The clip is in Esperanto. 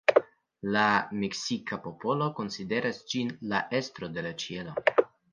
La meksika popolo konsideris ĝin la estro de la ĉielo.